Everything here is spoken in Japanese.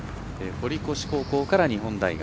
堀越高校から日本大学。